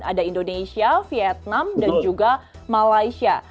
ada indonesia vietnam dan juga malaysia